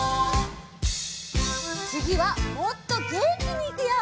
つぎはもっとげんきにいくよ！